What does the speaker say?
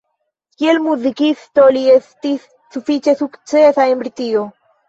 Kiel muzikisto li estis sufiĉe sukcesa en Britio.